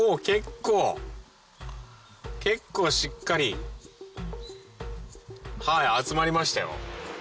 結構結構しっかり集まりましたよ。